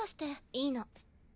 いいの。